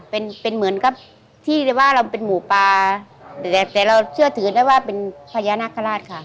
เป็นเป็นเหมือนกับที่ว่าเราเป็นหมูปลาแต่แต่เราเชื่อถือได้ว่าเป็นพญานาคาราชค่ะ